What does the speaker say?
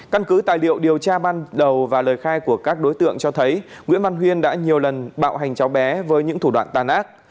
căn cứ tài liệu điều tra ban đầu và lời khai của các đối tượng cho thấy nguyễn văn huyên đã nhiều lần bạo hành cháu bé với những thủ đoạn tàn ác